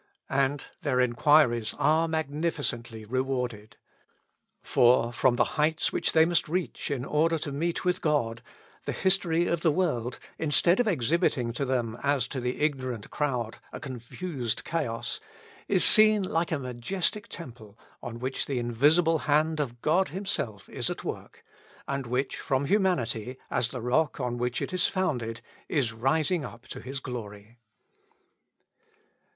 And their enquiries are magnificently rewarded. For, from the heights which they must reach in order to meet with God, the history of the world, instead of exhibiting to them, as to the ignorant crowd, a confused chaos, is seen like a majestic temple, on which the invisible hand of God himself is at work, and which, from humanity, as the rock on which it is founded, is rising up to his glory.